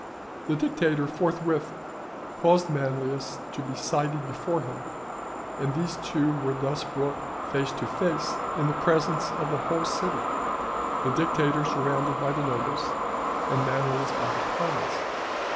The dictator, forthwith, caused Manlius to be cited before him; and these two were thus brought face to face in the presence of the whole city, the dictator surrounded by the nobles, and Manlius by the commons.